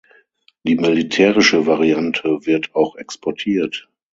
Die militärische Variante wird auch exportiert.